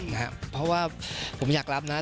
นะฮะเพราะว่าผมอยากรับนะฮะ